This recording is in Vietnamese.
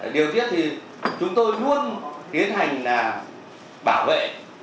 điều tiết thì chúng tôi luôn tiến hành là bảo vệ